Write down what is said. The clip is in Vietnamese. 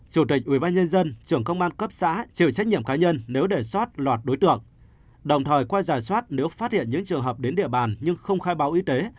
chủ tịch ubnd trưởng công an cấp xã chịu trách nhiệm cá nhân nếu để sót lọt đối tượng đồng thời qua giả soát nếu phát hiện những trường hợp đến địa bàn nhưng không khai báo y tế